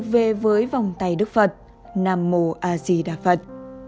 với vòng tay đức phật nam mô a di đạ phật